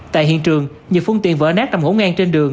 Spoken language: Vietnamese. tại hiện trường nhiều phương tiện vỡ nát trong ngỗ ngang trên đường